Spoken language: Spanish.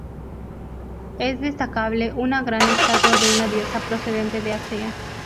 Es destacable una gran estatua de una diosa procedente de Asea.